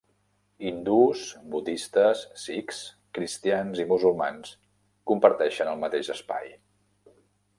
Hindús, budistes, sikhs, cristians i musulmans comparteixen el mateix espai.